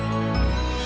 sampai jumpa lagi